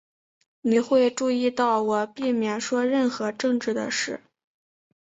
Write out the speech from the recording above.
你会注意到我避免说任何政治的事。